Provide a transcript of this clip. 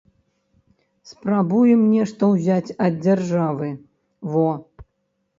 Спрабуем нешта ўзяць ад дзяржавы, во!